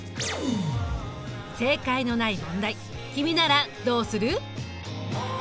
正解のない問題君ならどうする？